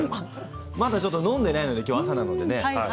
まだちょっと飲んでいないので朝なのでね。